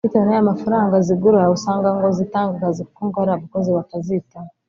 Bitewe n’aya mafaranga zigura usanga ngo zitanga akazi kuko ngo hari abakozi bazitaho